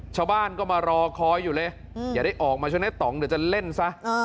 ชาวบ้านก็มารอคอยอยู่เลยอย่าได้ออกมาใช่ไหมต่องเดี๋ยวจะเล่นซะ